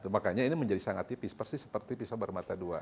makanya ini menjadi sangat tipis persis seperti pisau bermata dua